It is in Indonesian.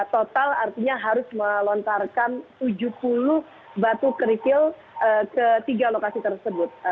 total artinya harus melontarkan tujuh puluh batu kerikil ke tiga lokasi tersebut